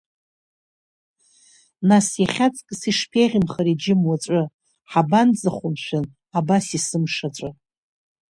Нас иахьаҵкыс ишԥеиӷьымхари џьым уаҵәы, ҳабанӡахо, мшәан, абас есымша аҵәы?